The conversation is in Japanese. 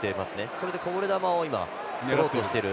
それでこぼれ球を拾おうとしてる。